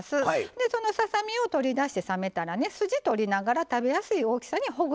でそのささ身を取り出して冷めたらね筋取りながら食べやすい大きさにほぐしたものです。